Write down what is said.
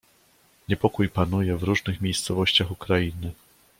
"Niepokój panuje w różnych miejscowościach Ukrainy."